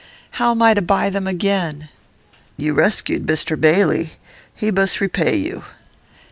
How am I to buy them again?' 'You rescued "Mr Bailey." He must repay you.